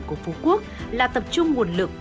của phú quốc là tập trung nguồn lực